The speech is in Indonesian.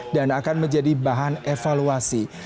dan akan menjadi bahan evaluasi